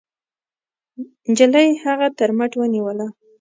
نجلۍ هغه تر مټ ونيوله.